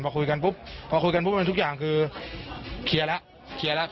พอคุยกันปุ๊บพอคุยกันปุ๊บมันทุกอย่างคือเคลียร์แล้วเคลียร์แล้ว